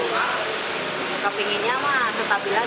kepinginnya mah tetapi lagi